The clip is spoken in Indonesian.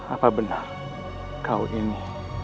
apa benar kau ini